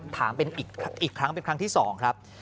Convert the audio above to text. ถามเป็นอีกครั้งเป็นครั้งที่๒ครับ